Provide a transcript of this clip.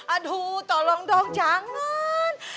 aduh tolong dong jangan